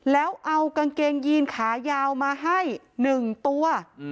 แล้วเอากางเกงยีนขายาวมาให้๑ตัว